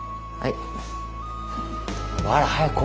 はい。